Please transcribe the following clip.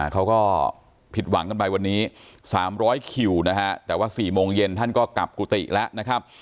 เขาก็ผิดหวังกันไปวันนี้๓๐๐คิวนะฮะแต่ว่า๔โมงเย็นท่านก็กลับกุฏิแล้วนะครับ